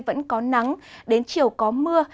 vẫn có nắng đến chiều có mưa